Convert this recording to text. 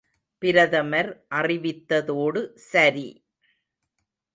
பிரதமர் அறிவித்ததோடு சரி!